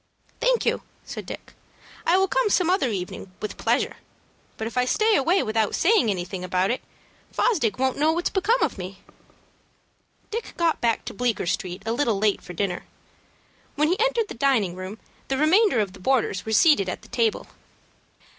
"Thank you," said Dick. "I will come some other evening with pleasure; but if I stay away without saying anything about it, Fosdick won't know what's become of me." Dick got back to Bleecker Street a little late for dinner. When he entered the dining room, the remainder of the boarders were seated at the table.